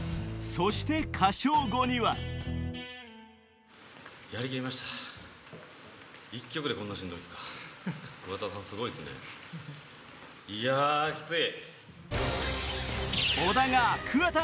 そして歌唱後にはいやキツい！